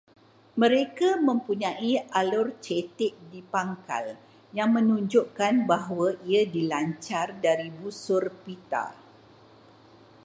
Mereka mempunyai alur cetek di pangkal, yang menunjukkan bahawa ia dilancar dari busur pita